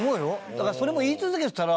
だからそれも言い続けてたら。